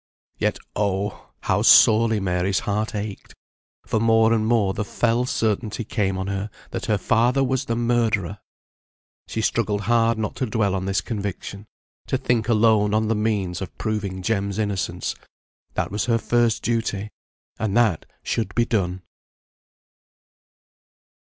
Yet oh! how sorely Mary's heart ached; for more and more the fell certainty came on her that her father was the murderer! She struggled hard not to dwell on this conviction; to think alone on the means of proving Jem's innocence; that was her first duty, and that should be done.